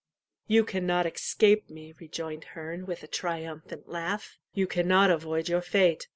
"You cannot escape me," rejoined He me, with a triumphant laugh; "you cannot avoid your fate.